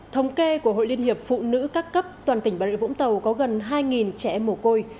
thống kê của hội liên hiệp phụ nữ các cấp toàn tỉnh bà rịa vũng tàu có gần hai trẻ em mồ côi